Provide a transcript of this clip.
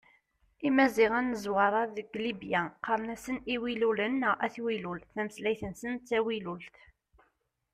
Imaziɣen n Zwaṛa deg Libya qqaren-asen Iwilulen neɣ At Wilul, tameslayt-nsen d tawilult.